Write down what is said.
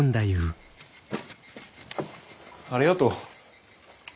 ありがとう。